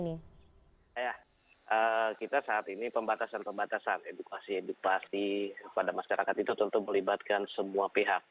ya kita saat ini pembatasan pembatasan edukasi edukasi kepada masyarakat itu tentu melibatkan semua pihak